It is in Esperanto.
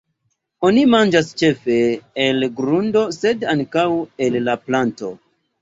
Oni manĝas ĉefe el grundo sed ankaŭ el la planto.